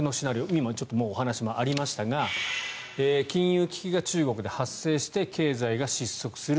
今、ちょっとお話もありましたが金融危機が中国で発生して経済が失速する。